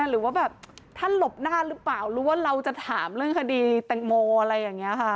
หรือว่าแบบท่านหลบหน้าหรือเปล่าหรือว่าเราจะถามเรื่องคดีแตงโมอะไรอย่างนี้ค่ะ